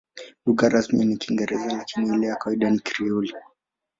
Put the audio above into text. Lugha rasmi ni Kiingereza, lakini ile ya kawaida ni Krioli.